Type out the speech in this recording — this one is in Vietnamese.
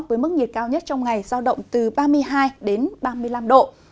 với mức nhiệt cao nhất trong ngày giao động từ ba mươi hai đến ba mươi năm độ